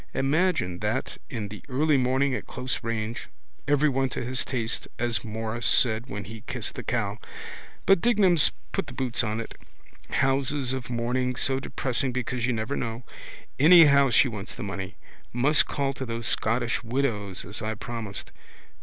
Imagine that in the early morning at close range. Everyone to his taste as Morris said when he kissed the cow. But Dignam's put the boots on it. Houses of mourning so depressing because you never know. Anyhow she wants the money. Must call to those Scottish Widows as I promised.